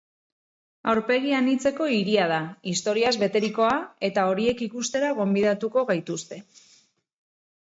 Aurpegi anitzeko hiria da, historiaz beterikoa, eta horiek ikustera gonbidatuko gaituzte.